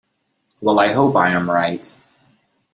We all hope I am right.